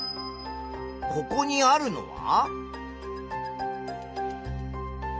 ここにあるのは？